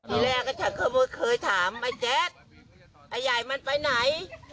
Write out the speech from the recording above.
ทีแรกก็ฉันเคยถามไอ้แจ๊ดไอ้ใหญ่มันไปไหน